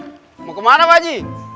aduh mau kemana pak ji